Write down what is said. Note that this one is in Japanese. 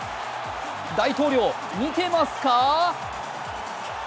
大統領、見てますか？